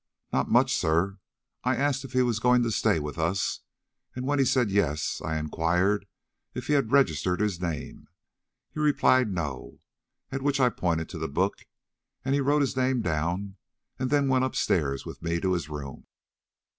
"Not much, sir. I asked if he was going to stay with us, and when he said 'Yes,' I inquired if he had registered his name. He replied 'No.' At which I pointed to the book, and he wrote his name down and then went up stairs with me to his room."